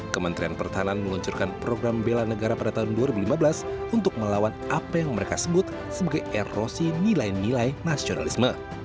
kementerian pertahanan meluncurkan program bela negara pada tahun dua ribu lima belas untuk melawan apa yang mereka sebut sebagai erosi nilai nilai nasionalisme